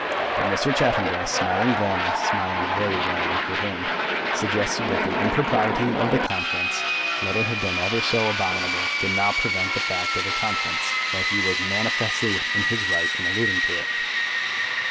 But Mr. Chaffanbrass, smiling blandly, smiling very blandly for him, suggested that the impropriety of the conference, let it have been ever so abominable, did not prevent the fact of the conference, and that he was manifestly within his right in alluding to it.